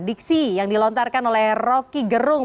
diksi yang dilontarkan oleh rocky gerung